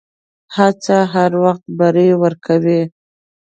هڅه هر وخت بری ورکوي.